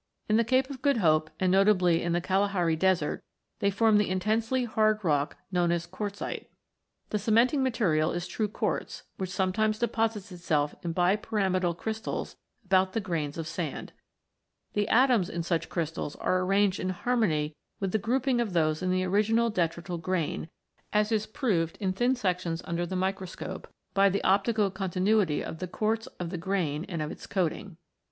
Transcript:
In the Cape of Good Hope, and notably in the Kalahari desert, they form the intensely hard rock known as QuartziteAw). The cementing material is true quartz, which sometimes deposits itself in bipyramidal crystals about the grains of sand. The atoms in such crystals are arranged in harmony with the grouping of those in the original detrital grain, as is proved in thin sections under the microscope by the optical continuity of the quartz of the grain and of its coating.